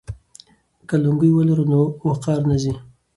که لونګۍ ولرو نو وقار نه ځي.